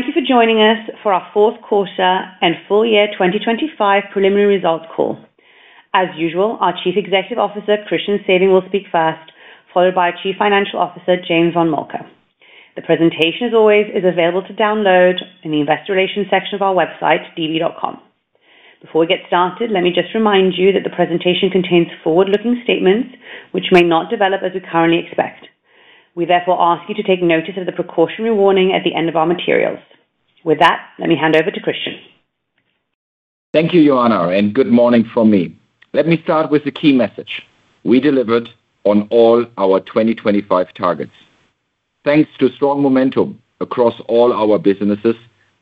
Thank you for joining us for our fourth quarter and full year 2025 preliminary results call. As usual, our Chief Executive Officer, Christian Sewing, will speak first, followed by Chief Financial Officer, James von Moltke. The presentation, as always, is available to download in the investor relations section of our website, db.com. Before we get started, let me just remind you that the presentation contains forward-looking statements which may not develop as we currently expect. We therefore ask you to take notice of the precautionary warning at the end of our materials. With that, let me hand over to Christian. Thank you, Ioana, and good morning from me. Let me start with the key message. We delivered on all our 2025 targets. Thanks to strong momentum across all our businesses,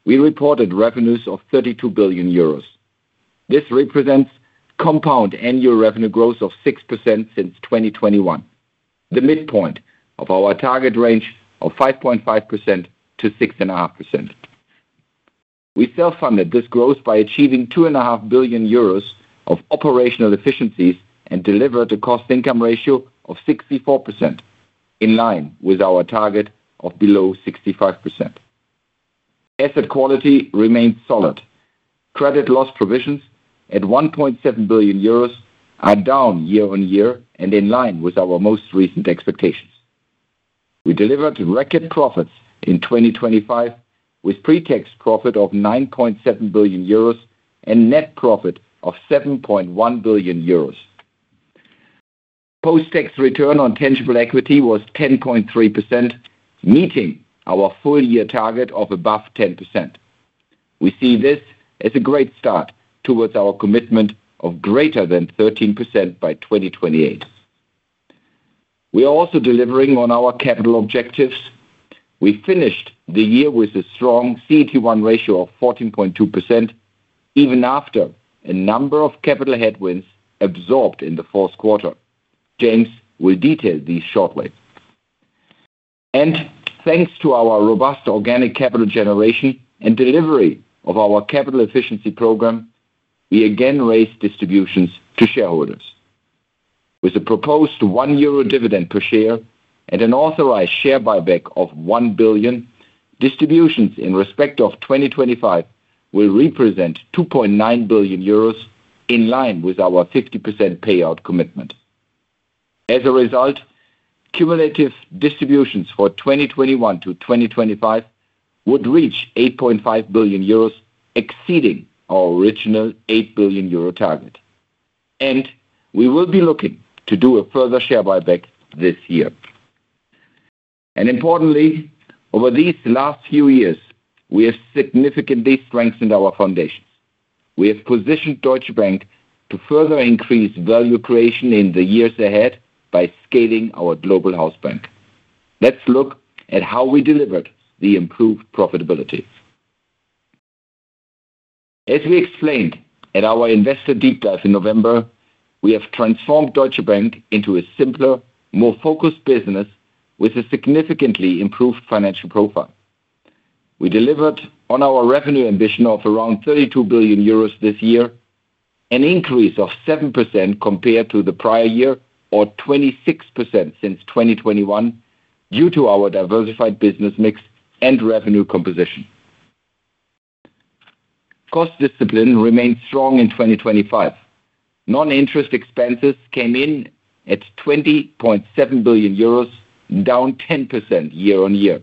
we reported revenues of 32 billion euros. This represents compound annual revenue growth of 6% since 2021, the midpoint of our target range of 5.5%-6.5%. We self-funded this growth by achieving 2.5 billion euros of operational efficiencies and delivered a cost-income ratio of 64%, in line with our target of below 65%. Asset quality remains solid. Credit loss provisions at 1.7 billion euros are down year-on-year and in line with our most recent expectations. We delivered record profits in 2025, with pre-tax profit of 9.7 billion euros and net profit of 7.1 billion euros. Post-tax return on tangible equity was 10.3%, meeting our full year target of above 10%. We see this as a great start towards our commitment of greater than 13% by 2028. We are also delivering on our capital objectives. We finished the year with a strong CET1 ratio of 14.2%, even after a number of capital headwinds absorbed in the fourth quarter. James will detail these shortly. Thanks to our robust organic capital generation and delivery of our capital efficiency program, we again raised distributions to shareholders. With a proposed 1 euro dividend per share and an authorized share buyback of 1 billion, distributions in respect of 2025 will represent 2.9 billion euros, in line with our 50% payout commitment. As a result, cumulative distributions for 2021-2025 would reach 8.5 billion euros, exceeding our original 8 billion euro target. We will be looking to do a further share buyback this year. Importantly, over these last few years, we have significantly strengthened our foundations. We have positioned Deutsche Bank to further increase value creation in the years ahead by scaling our Global Hausbank. Let's look at how we delivered the improved profitability. As we explained at our Investor Deep Dive in November, we have transformed Deutsche Bank into a simpler, more focused business with a significantly improved financial profile. We delivered on our revenue ambition of around 32 billion euros this year, an increase of 7% compared to the prior year, or 26% since 2021, due to our diversified business mix and revenue composition. Cost discipline remained strong in 2025. Non-interest expenses came in at 20.7 billion euros, down 10% year-on-year.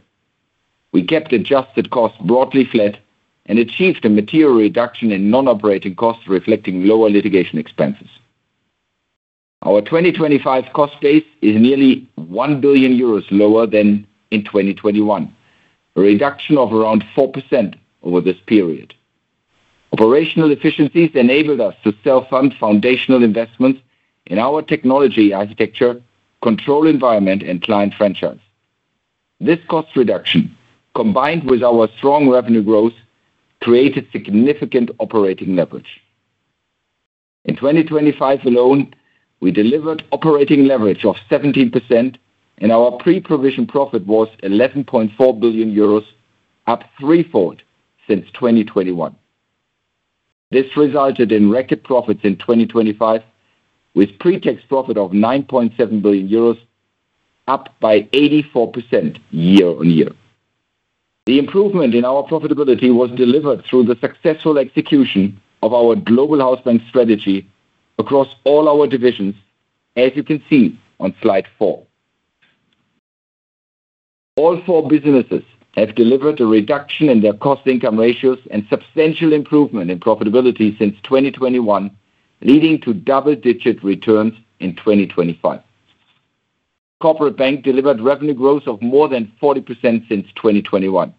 We kept adjusted costs broadly flat and achieved a material reduction in non-operating costs, reflecting lower litigation expenses. Our 2025 cost base is nearly 1 billion euros lower than in 2021, a reduction of around 4% over this period. Operational efficiencies enabled us to self-fund foundational investments in our technology architecture, control environment, and client franchise. This cost reduction, combined with our strong revenue growth, created significant operating leverage. In 2025 alone, we delivered operating leverage of 17%, and our pre-provision profit was 11.4 billion euros, up threefold since 2021. This resulted in record profits in 2025, with pre-tax profit of 9.7 billion euros, up by 84% year-on-year. The improvement in our profitability was delivered through the successful execution of our Global Hausbank strategy across all our divisions, as you can see on slide 4. All four businesses have delivered a reduction in their cost-income ratios and substantial improvement in profitability since 2021, leading to double-digit returns in 2025. Corporate Bank delivered revenue growth of more than 40% since 2021.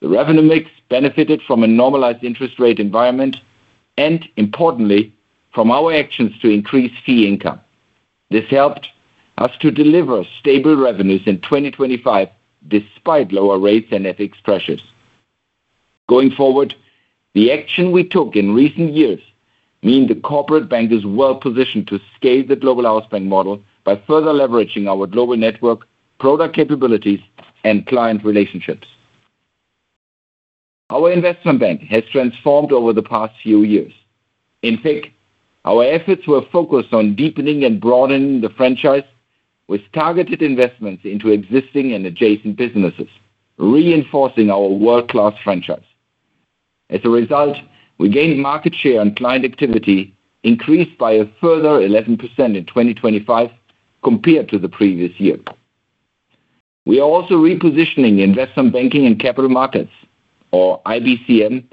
The revenue mix benefited from a normalized interest rate environment and importantly, from our actions to increase fee income. This helped us to deliver stable revenues in 2025, despite lower rates and FX pressures. Going forward, the action we took in recent years mean the Corporate Bank is well positioned to scale the Global Hausbank model by further leveraging our global network, product capabilities, and client relationships. Our Investment Bank has transformed over the past few years. In fact, our efforts were focused on deepening and broadening the franchise with targeted investments into existing and adjacent businesses, reinforcing our world-class franchise. As a result, we gained market share and client activity increased by a further 11% in 2025 compared to the previous year. We are also repositioning Investment Banking and capital markets, or IBCM,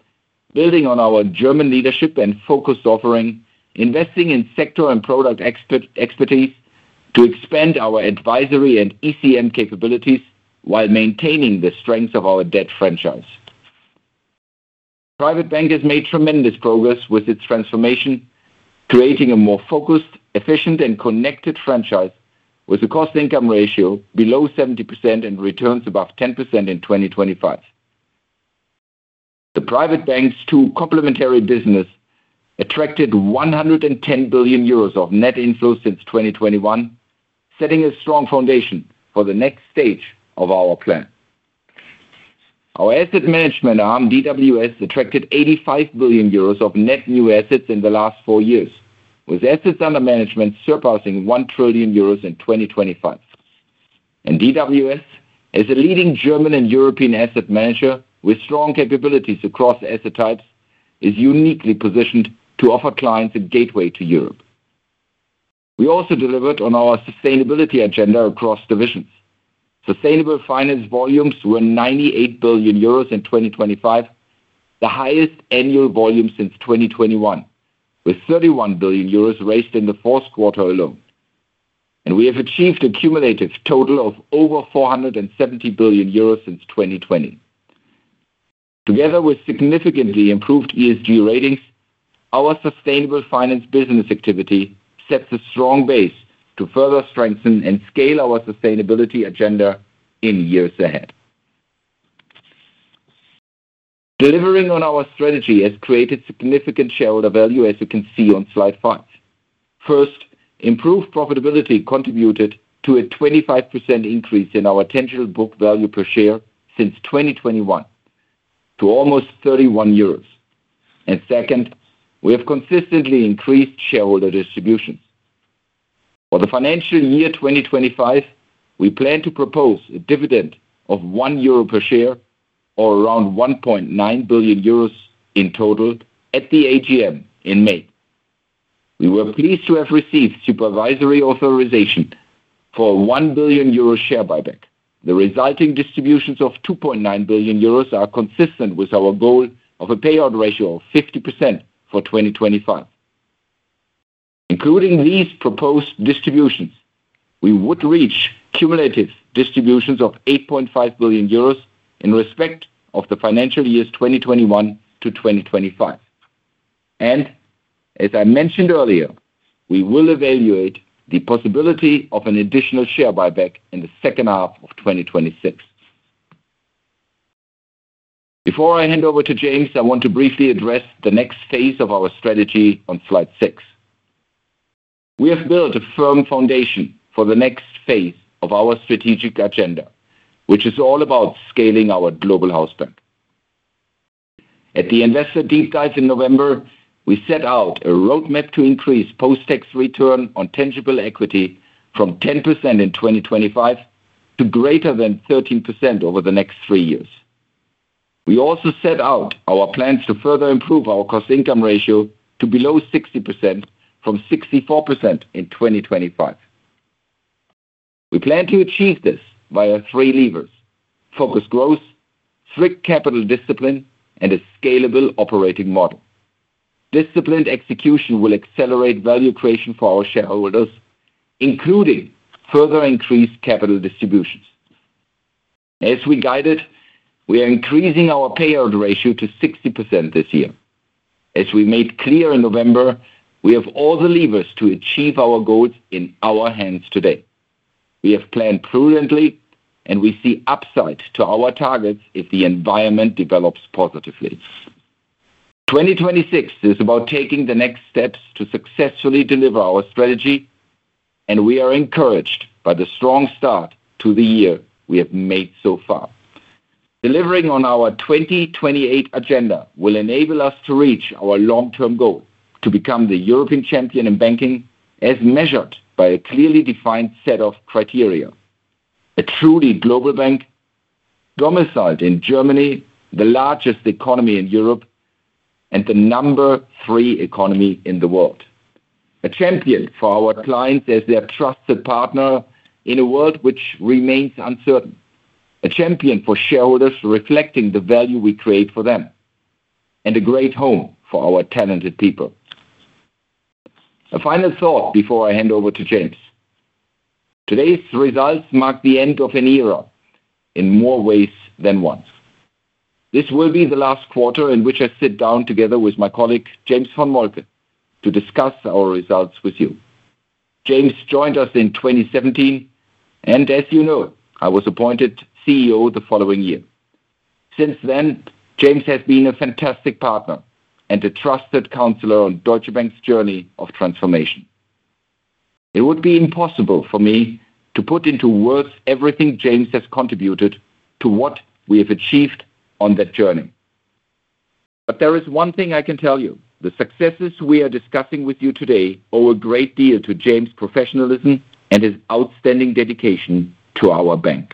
building on our German leadership and focused offering, investing in sector and product expertise to expand our advisory and ECM capabilities while maintaining the strength of our debt franchise. Private Bank has made tremendous progress with its transformation, creating a more focused, efficient, and connected franchise, with a cost-income ratio below 70% and returns above 10% in 2025. The Private Bank's two complementary businesses attracted 110 billion euros of net inflows since 2021, setting a strong foundation for the next stage of our plan. Our Asset Management arm, DWS, attracted 85 billion euros of net new assets in the last four years, with assets under management surpassing 1 trillion euros in 2025. DWS, as a leading German and European asset manager with strong capabilities across asset types, is uniquely positioned to offer clients a gateway to Europe. We also delivered on our sustainability agenda across divisions. Sustainable finance volumes were 98 billion euros in 2025, the highest annual volume since 2021, with 31 billion euros raised in the fourth quarter alone. We have achieved a cumulative total of over 470 billion euros since 2020. Together with significantly improved ESG ratings, our sustainable finance business activity sets a strong base to further strengthen and scale our sustainability agenda in years ahead. Delivering on our strategy has created significant shareholder value, as you can see on slide 5. First, improved profitability contributed to a 25% increase in our tangible book value per share since 2021 to almost 31 euros. Second, we have consistently increased shareholder distributions. For the financial year 2025, we plan to propose a dividend of 1 euro per share, or around 1.9 billion euros in total at the AGM in May. We were pleased to have received supervisory authorization for 1 billion euro share buyback. The resulting distributions of 2.9 billion euros are consistent with our goal of a payout ratio of 50% for 2025. Including these proposed distributions, we would reach cumulative distributions of 8.5 billion euros in respect of the financial years 2021-2025. And as I mentioned earlier, we will evaluate the possibility of an additional share buyback in the second half of 2026. Before I hand over to James, I want to briefly address the next phase of our strategy on slide 6. We have built a firm foundation for the next phase of our strategic agenda, which is all about scaling our Global Hausbank. At the Investor Deep Dive in November, we set out a roadmap to increase post-tax return on tangible equity from 10% in 2025 to greater than 13% over the next three years. We also set out our plans to further improve our cost-income ratio to below 60% from 64% in 2025. We plan to achieve this via three levers: focused growth, strict capital discipline, and a scalable operating model. Disciplined execution will accelerate value creation for our shareholders, including further increased capital distributions. As we guided, we are increasing our payout ratio to 60% this year. As we made clear in November, we have all the levers to achieve our goals in our hands today. We have planned prudently, and we see upside to our targets if the environment develops positively. 2026 is about taking the next steps to successfully deliver our strategy, and we are encouraged by the strong start to the year we have made so far. Delivering on our 2028 agenda will enable us to reach our long-term goal to become the European champion in banking, as measured by a clearly defined set of criteria. A truly global bank domiciled in Germany, the largest economy in Europe, and the number 3 economy in the world. A champion for our clients as their trusted partner in a world which remains uncertain. A champion for shareholders, reflecting the value we create for them, and a great home for our talented people. A final thought before I hand over to James. Today's results mark the end of an era in more ways than one. This will be the last quarter in which I sit down together with my colleague, James von Moltke, to discuss our results with you. James joined us in 2017, and as you know, I was appointed CEO the following year. Since then, James has been a fantastic partner and a trusted counselor on Deutsche Bank's journey of transformation. It would be impossible for me to put into words everything James has contributed to what we have achieved on that journey. But there is one thing I can tell you, the successes we are discussing with you today owe a great deal to James' professionalism and his outstanding dedication to our bank.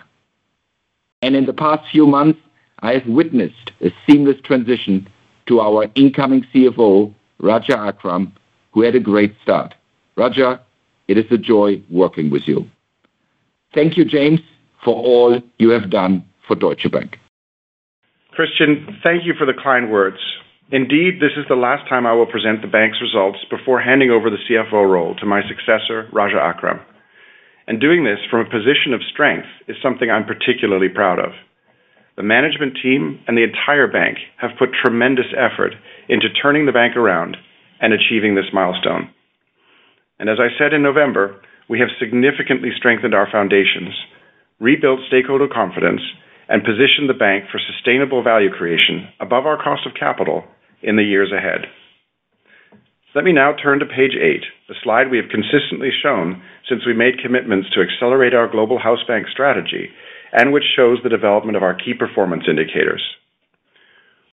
And in the past few months, I have witnessed a seamless transition to our incoming CFO, Raja Akram, who had a great start. Raja, it is a joy working with you. Thank you, James, for all you have done for Deutsche Bank. Christian, thank you for the kind words. Indeed, this is the last time I will present the bank's results before handing over the CFO role to my successor, Raja Akram. Doing this from a position of strength is something I'm particularly proud of. The management team and the entire bank have put tremendous effort into turning the bank around and achieving this milestone. As I said in November, we have significantly strengthened our foundations, rebuilt stakeholder confidence, and positioned the bank for sustainable value creation above our cost of capital in the years ahead. Let me now turn to page 8, the slide we have consistently shown since we made commitments to accelerate our Global Hausbank strategy, and which shows the development of our key performance indicators.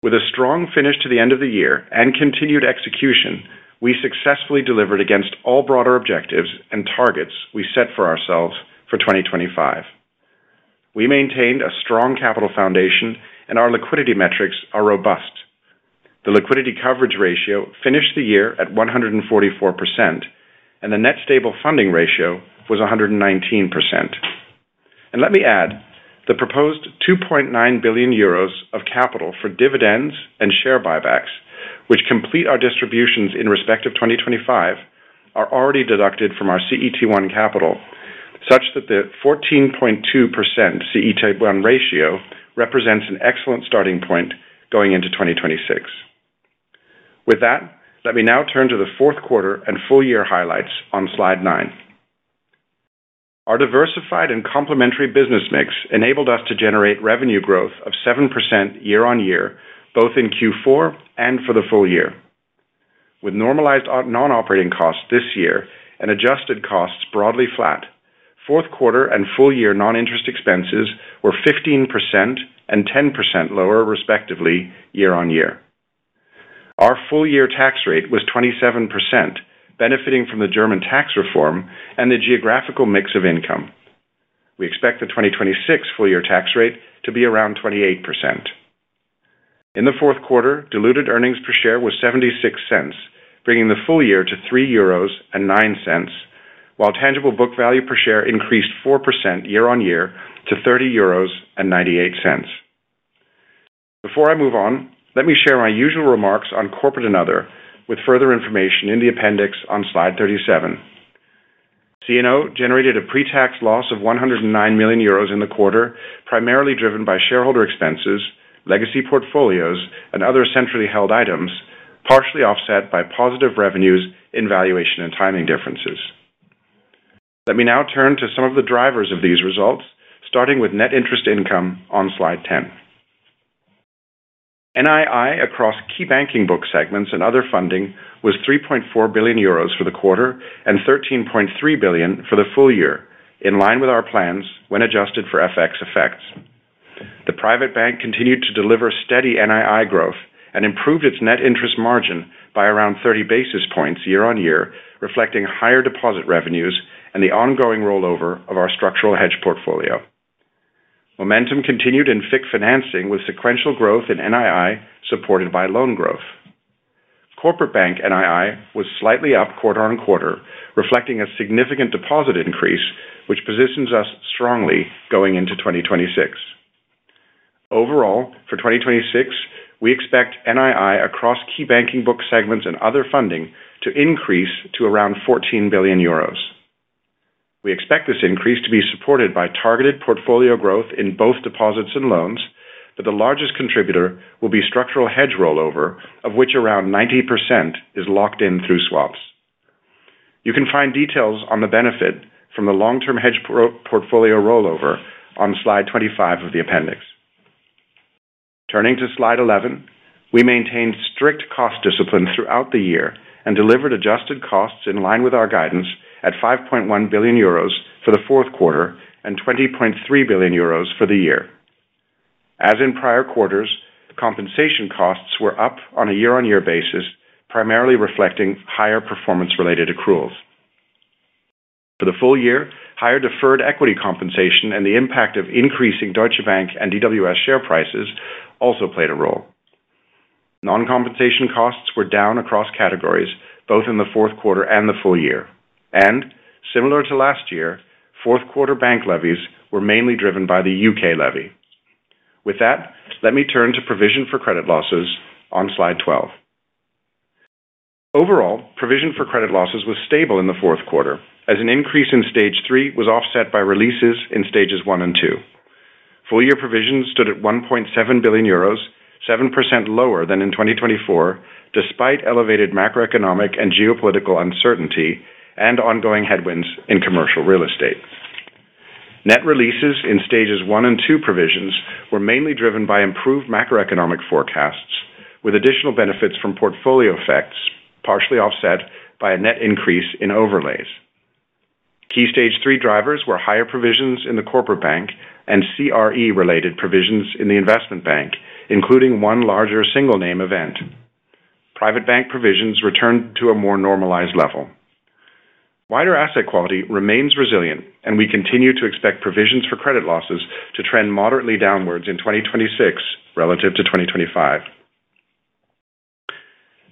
With a strong finish to the end of the year and continued execution, we successfully delivered against all broader objectives and targets we set for ourselves for 2025. We maintained a strong capital foundation, and our liquidity metrics are robust. The liquidity coverage ratio finished the year at 144%, and the net stable funding ratio was 119%. Let me add, the proposed 2.9 billion euros of capital for dividends and share buybacks, which complete our distributions in respect of 2025, are already deducted from our CET1 capital, such that the 14.2% CET1 ratio represents an excellent starting point going into 2026. With that, let me now turn to the fourth quarter and full year highlights on slide 9. Our diversified and complementary business mix enabled us to generate revenue growth of 7% year-over-year, both in Q4 and for the full year. With normalized non-operating costs this year and adjusted costs broadly flat, fourth quarter and full year non-interest expenses were 15% and 10% lower, respectively, year-over-year. Our full year tax rate was 27%, benefiting from the German tax reform and the geographical mix of income. We expect the 2026 full year tax rate to be around 28%. In the fourth quarter, diluted earnings per share was 0.76, bringing the full year to 3.09 euros, while tangible book value per share increased 4% year-over-year to 30.98 euros. Before I move on, let me share my usual remarks on Corporate & Other, with further information in the appendix on slide 37. C&O generated a pre-tax loss of 109 million euros in the quarter, primarily driven by shareholder expenses, legacy portfolios, and other centrally held items, partially offset by positive revenues in valuation and timing differences. Let me now turn to some of the drivers of these results, starting with net interest income on slide 10. NII across key banking book segments and other funding was 3.4 billion euros for the quarter and 13.3 billion for the full year, in line with our plans when adjusted for FX effects. The Private Bank continued to deliver steady NII growth and improved its net interest margin by around 30 basis points year-on-year, reflecting higher deposit revenues and the ongoing rollover of our structural hedge portfolio. Momentum continued in FIC financing, with sequential growth in NII supported by loan growth. Corporate Bank NII was slightly up quarter-on-quarter, reflecting a significant deposit increase, which positions us strongly going into 2026. Overall, for 2026, we expect NII across key banking book segments and other funding to increase to around 14 billion euros. We expect this increase to be supported by targeted portfolio growth in both deposits and loans, but the largest contributor will be structural hedge rollover, of which around 90% is locked in through swaps. You can find details on the benefit from the long-term hedge portfolio rollover on slide 25 of the appendix. Turning to slide 11, we maintained strict cost discipline throughout the year and delivered adjusted costs in line with our guidance at 5.1 billion euros for the fourth quarter and 20.3 billion euros for the year. As in prior quarters, compensation costs were up on a year-on-year basis, primarily reflecting higher performance-related accruals. For the full year, higher deferred equity compensation and the impact of increasing Deutsche Bank and DWS share prices also played a role. Non-compensation costs were down across categories, both in the fourth quarter and the full year. Similar to last year, fourth quarter bank levies were mainly driven by the U.K. levy. With that, let me turn to provision for credit losses on slide 12. Overall, provision for credit losses was stable in the fourth quarter, as an increase in Stage 3 was offset by releases in Stages 1 and 2. Full year provisions stood at 1.7 billion euros, 7% lower than in 2024, despite elevated macroeconomic and geopolitical uncertainty and ongoing headwinds in commercial real estate. Net releases in Stage 1 and 2 provisions were mainly driven by improved macroeconomic forecasts, with additional benefits from portfolio effects, partially offset by a net increase in overlays. Key Stage 3 drivers were higher provisions in the Corporate Bank and CRE related provisions in the Investment Bank, including one larger single name event. Private Bank provisions returned to a more normalized level. Wider asset quality remains resilient, and we continue to expect provisions for credit losses to trend moderately downwards in 2026 relative to 2025.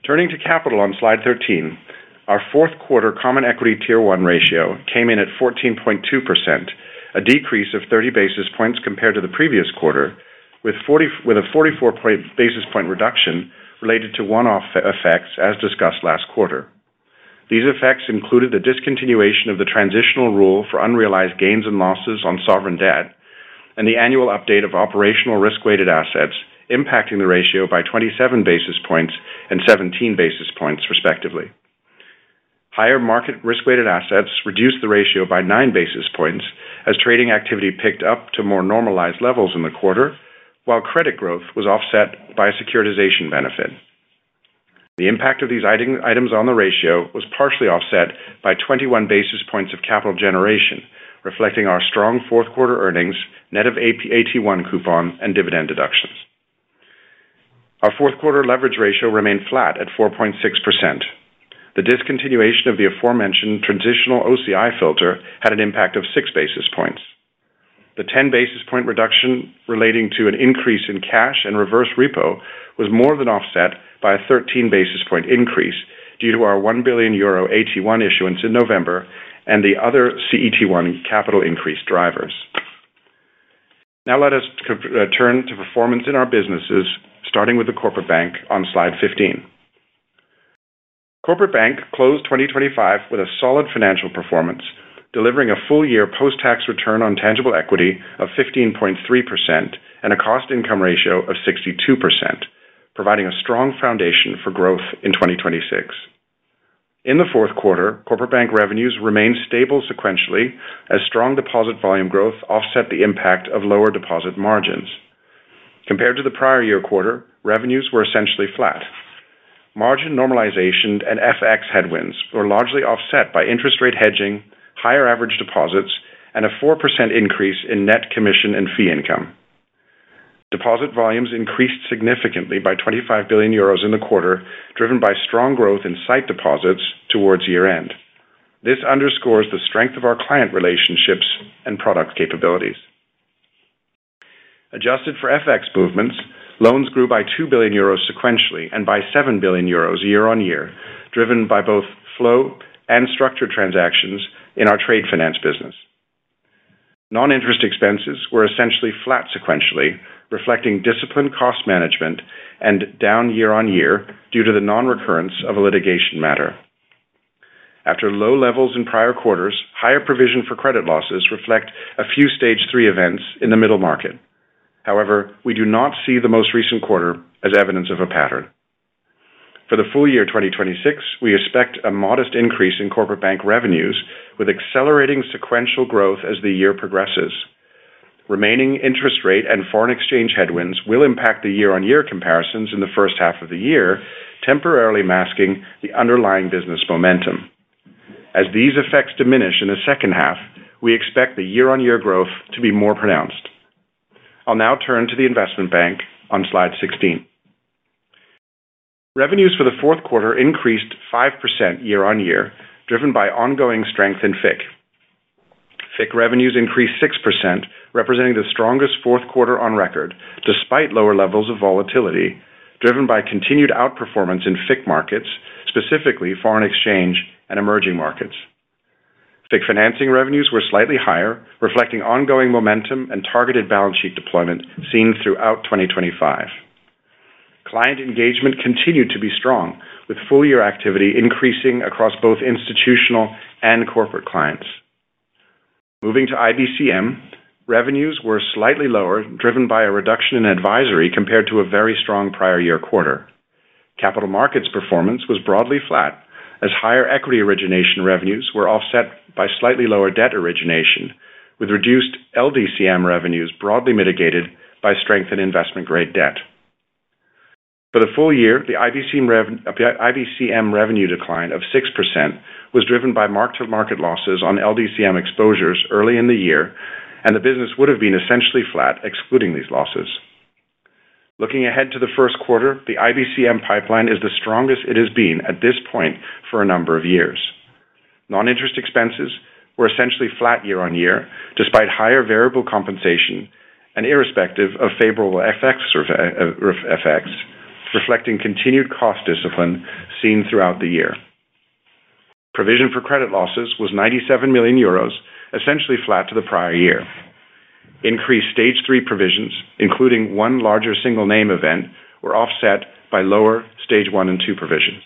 Turning to capital on slide 13, our fourth quarter Common Equity Tier 1 ratio came in at 14.2%, a decrease of 30 basis points compared to the previous quarter, with a 44 basis point reduction related to one-off effects, as discussed last quarter. These effects included the discontinuation of the transitional rule for unrealized gains and losses on sovereign debt, and the annual update of operational risk-weighted assets, impacting the ratio by 27 basis points and 17 basis points, respectively. Higher market risk-weighted assets reduced the ratio by 9 basis points as trading activity picked up to more normalized levels in the quarter, while credit growth was offset by a securitization benefit. The impact of these items on the ratio was partially offset by 21 basis points of capital generation, reflecting our strong fourth quarter earnings net of AT1 coupon and dividend deductions. Our fourth quarter leverage ratio remained flat at 4.6%. The discontinuation of the aforementioned transitional OCI filter had an impact of 6 basis points. The 10 basis points reduction relating to an increase in cash and reverse repo was more than offset by a 13 basis points increase due to our 1 billion euro AT1 issuance in November and the other CET1 capital increase drivers. Now let us turn to performance in our businesses, starting with the Corporate Bank on slide 15. Corporate Bank closed 2025 with a solid financial performance, delivering a full year post-tax return on tangible equity of 15.3% and a cost-income ratio of 62%, providing a strong foundation for growth in 2026. In the fourth quarter, Corporate Bank revenues remained stable sequentially as strong deposit volume growth offset the impact of lower deposit margins. Compared to the prior year quarter, revenues were essentially flat. Margin normalization and FX headwinds were largely offset by interest rate hedging, higher average deposits, and a 4% increase in net commission and fee income. Deposit volumes increased significantly by 25 billion euros in the quarter, driven by strong growth in sight deposits towards year-end. This underscores the strength of our client relationships and product capabilities. Adjusted for FX movements, loans grew by 2 billion euros sequentially and by 7 billion euros year-on-year, driven by both flow and structured transactions in our trade finance business. Non-interest expenses were essentially flat sequentially, reflecting disciplined cost management and down year-on-year due to the non-recurrence of a litigation matter. After low levels in prior quarters, higher provision for credit losses reflect a few Stage 3 events in the middle market. However, we do not see the most recent quarter as evidence of a pattern. For the full year 2026, we expect a modest increase in Corporate Bank revenues, with accelerating sequential growth as the year progresses. Remaining interest rate and foreign exchange headwinds will impact the year-on-year comparisons in the first half of the year, temporarily masking the underlying business momentum. As these effects diminish in the second half, we expect the year-on-year growth to be more pronounced. I'll now turn to the Investment Bank on slide 16. Revenues for the fourth quarter increased 5% year-on-year, driven by ongoing strength in FIC. FIC revenues increased 6%, representing the strongest fourth quarter on record, despite lower levels of volatility, driven by continued outperformance in FIC markets, specifically foreign exchange and emerging markets. FIC financing revenues were slightly higher, reflecting ongoing momentum and targeted balance sheet deployment seen throughout 2025. Client engagement continued to be strong, with full year activity increasing across both institutional and corporate clients. Moving to IBCM, revenues were slightly lower, driven by a reduction in advisory compared to a very strong prior year quarter. Capital markets performance was broadly flat as higher equity origination revenues were offset by slightly lower debt origination, with reduced LDCM revenues broadly mitigated by strength in investment-grade debt. For the full year, the IBCM revenue decline of 6% was driven by mark-to-market losses on LDCM exposures early in the year, and the business would have been essentially flat, excluding these losses. Looking ahead to the first quarter, the IBCM pipeline is the strongest it has been at this point for a number of years. Non-interest expenses were essentially flat year-on-year, despite higher variable compensation and irrespective of favorable FX, reflecting continued cost discipline seen throughout the year. Provision for credit losses was 97 million euros, essentially flat to the prior year. Increased Stage 3 provisions, including one larger single name event, were offset by lower Stage 1 and 2 provisions.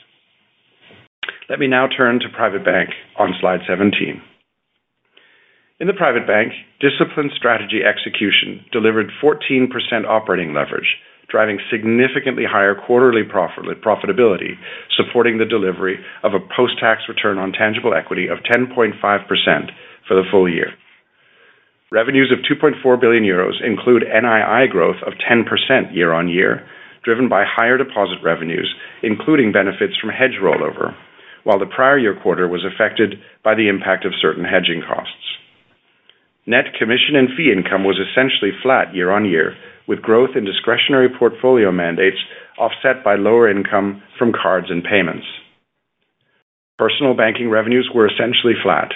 Let me now turn to Private Bank on slide 17. In the Private Bank, disciplined strategy execution delivered 14% operating leverage. Driving significantly higher quarterly profit, profitability, supporting the delivery of a post-tax return on tangible equity of 10.5% for the full year. Revenues of 2.4 billion euros include NII growth of 10% year-on-year, driven by higher deposit revenues, including benefits from hedge rollover, while the prior year quarter was affected by the impact of certain hedging costs. Net commission and fee income was essentially flat year-on-year, with growth in discretionary portfolio mandates offset by lower income from cards and payments. Personal banking revenues were essentially flat.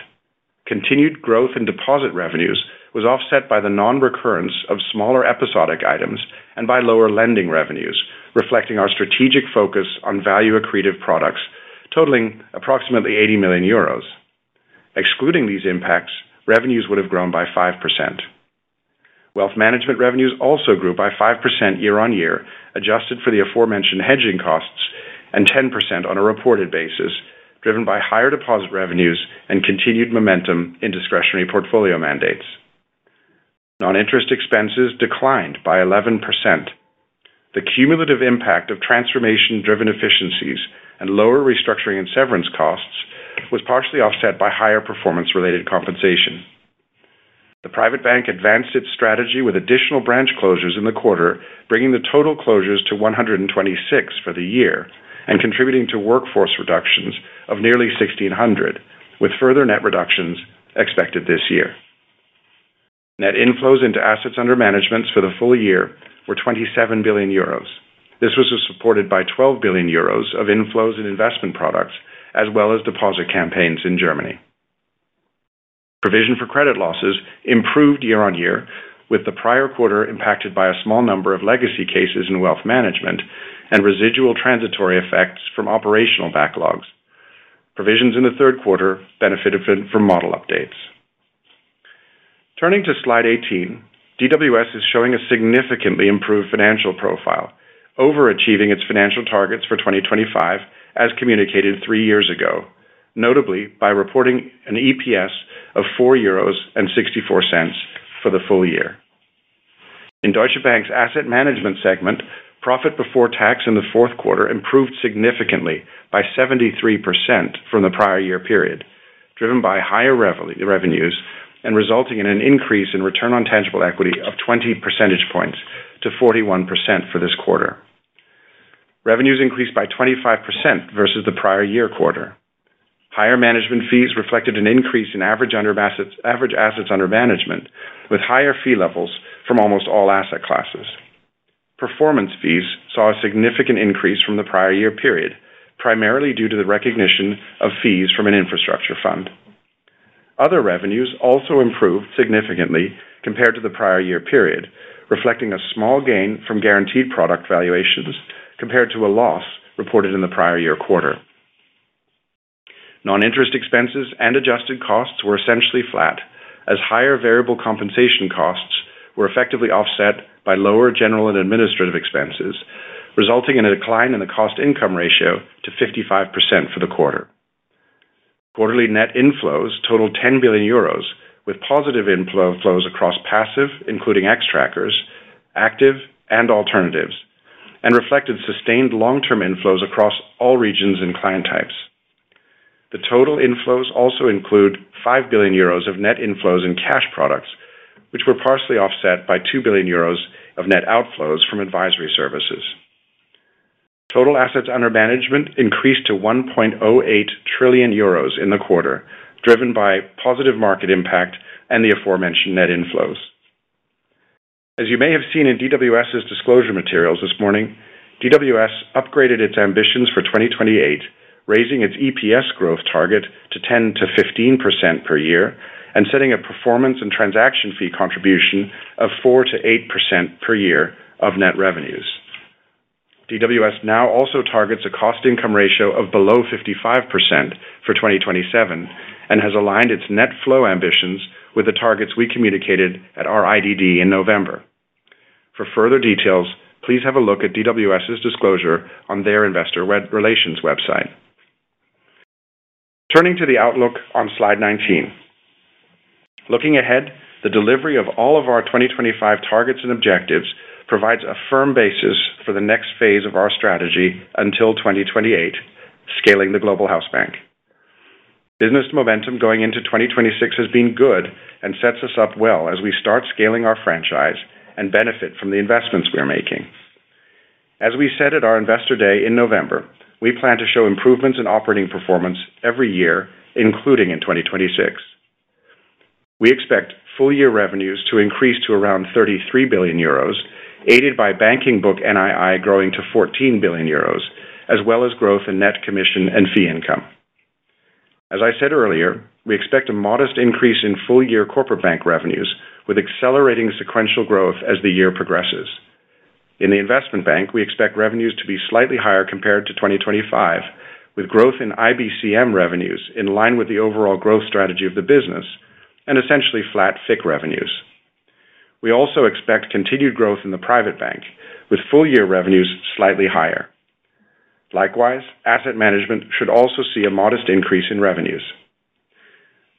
Continued growth in deposit revenues was offset by the non-recurrence of smaller episodic items and by lower lending revenues, reflecting our strategic focus on value-accretive products totaling approximately 80 million euros. Excluding these impacts, revenues would have grown by 5%. Wealth management revenues also grew by 5% year-on-year, adjusted for the aforementioned hedging costs and 10% on a reported basis, driven by higher deposit revenues and continued momentum in discretionary portfolio mandates. Non-interest expenses declined by 11%. The cumulative impact of transformation-driven efficiencies and lower restructuring and severance costs was partially offset by higher performance-related compensation. The Private Bank advanced its strategy with additional branch closures in the quarter, bringing the total closures to 126 for the year and contributing to workforce reductions of nearly 1,600, with further net reductions expected this year. Net inflows into assets under management for the full year were 27 billion euros. This was supported by 12 billion euros of inflows in investment products, as well as deposit campaigns in Germany. Provision for credit losses improved year-on-year, with the prior quarter impacted by a small number of legacy cases in wealth management and residual transitory effects from operational backlogs. Provisions in the third quarter benefited from model updates. Turning to slide 18, DWS is showing a significantly improved financial profile, overachieving its financial targets for 2025, as communicated three years ago, notably by reporting an EPS of 4.64 euros for the full year. In Deutsche Bank's Asset Management segment, profit before tax in the fourth quarter improved significantly by 73% from the prior year period, driven by higher revenues and resulting in an increase in return on tangible equity of 20 percentage points to 41% for this quarter. Revenues increased by 25% versus the prior year quarter. Higher management fees reflected an increase in average assets under management, with higher fee levels from almost all asset classes. Performance fees saw a significant increase from the prior year period, primarily due to the recognition of fees from an infrastructure fund. Other revenues also improved significantly compared to the prior year period, reflecting a small gain from guaranteed product valuations compared to a loss reported in the prior year quarter. Non-interest expenses and adjusted costs were essentially flat, as higher variable compensation costs were effectively offset by lower general and administrative expenses, resulting in a decline in the cost-income ratio to 55% for the quarter. Quarterly net inflows totaled 10 billion euros, with positive inflow flows across passive, including Xtrackers, active and alternatives, and reflected sustained long-term inflows across all regions and client types. The total inflows also include 5 billion euros of net inflows in cash products, which were partially offset by 2 billion euros of net outflows from advisory services. Total assets under management increased to 1.08 trillion euros in the quarter, driven by positive market impact and the aforementioned net inflows. As you may have seen in DWS's disclosure materials this morning, DWS upgraded its ambitions for 2028, raising its EPS growth target to 10%-15% per year and setting a performance and transaction fee contribution of 4%-8% per year of net revenues. DWS now also targets a cost-income ratio of below 55% for 2027 and has aligned its net flow ambitions with the targets we communicated at our IDD in November. For further details, please have a look at DWS's disclosure on their investor web relations website. Turning to the outlook on slide 19. Looking ahead, the delivery of all of our 2025 targets and objectives provides a firm basis for the next phase of our strategy until 2028, scaling the Global Hausbank. Business momentum going into 2026 has been good and sets us up well as we start scaling our franchise and benefit from the investments we are making. As we said at our Investor Day in November, we plan to show improvements in operating performance every year, including in 2026. We expect full year revenues to increase to around 33 billion euros, aided by banking book NII growing to 14 billion euros, as well as growth in net commission and fee income. As I said earlier, we expect a modest increase in full year Corporate Bank revenues, with accelerating sequential growth as the year progresses. In the Investment Bank, we expect revenues to be slightly higher compared to 2025, with growth in IBCM revenues in line with the overall growth strategy of the business and essentially flat FIC revenues. We also expect continued growth in the Private Bank, with full year revenues slightly higher. Likewise, Asset Management should also see a modest increase in revenues.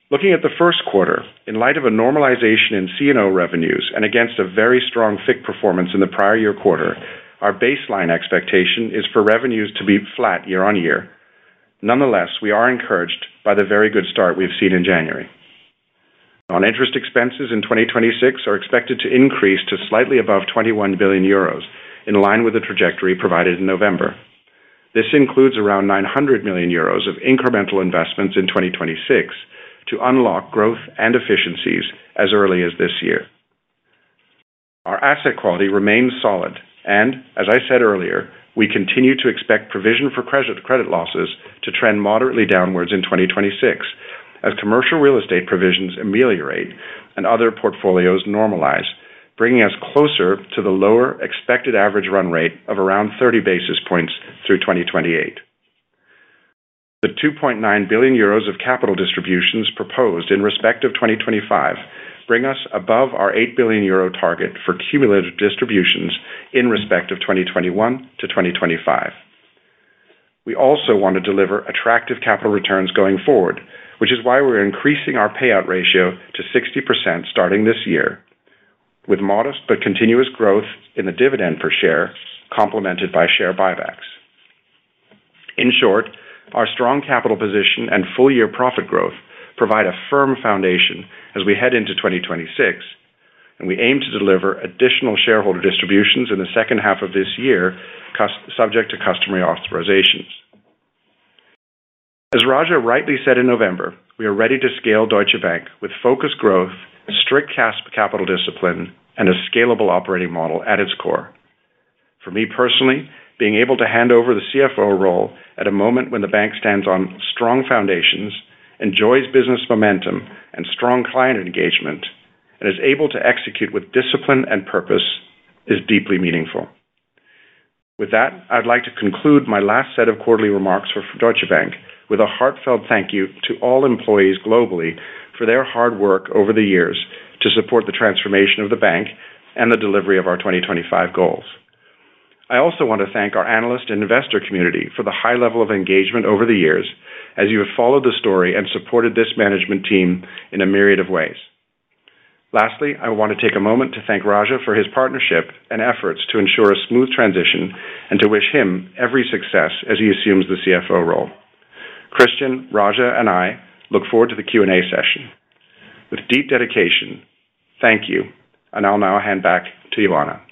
Looking at the first quarter, in light of a normalization in C&O revenues and against a very strong FIC performance in the prior year quarter, our baseline expectation is for revenues to be flat year-on-year. Nonetheless, we are encouraged by the very good start we've seen in January. Non-interest expenses in 2026 are expected to increase to slightly above 21 billion euros, in line with the trajectory provided in November. This includes around 900 million euros of incremental investments in 2026 to unlock growth and efficiencies as early as this year. Our asset quality remains solid, and as I said earlier, we continue to expect provision for credit losses to trend moderately downwards in 2026, as commercial real estate provisions ameliorate and other portfolios normalize, bringing us closer to the lower expected average run rate of around 30 basis points through 2028. The 2.9 billion euros of capital distributions proposed in respect of 2025 bring us above our 8 billion euro target for cumulative distributions in respect of 2021 to 2025. We also want to deliver attractive capital returns going forward, which is why we're increasing our payout ratio to 60% starting this year, with modest but continuous growth in the dividend per share, complemented by share buybacks. In short, our strong capital position and full-year profit growth provide a firm foundation as we head into 2026, and we aim to deliver additional shareholder distributions in the second half of this year, subject to customary authorizations. As Raja rightly said in November, we are ready to scale Deutsche Bank with focused growth, strict capital discipline, and a scalable operating model at its core. For me, personally, being able to hand over the CFO role at a moment when the bank stands on strong foundations, enjoys business momentum and strong client engagement, and is able to execute with discipline and purpose, is deeply meaningful. With that, I'd like to conclude my last set of quarterly remarks for Deutsche Bank with a heartfelt thank you to all employees globally for their hard work over the years to support the transformation of the bank and the delivery of our 2025 goals. I also want to thank our analyst and investor community for the high level of engagement over the years as you have followed the story and supported this management team in a myriad of ways. Lastly, I want to take a moment to thank Raja for his partnership and efforts to ensure a smooth transition and to wish him every success as he assumes the CFO role. Christian, Raja, and I look forward to the Q&A session. With deep dedication, thank you, and I'll now hand back to Ioana.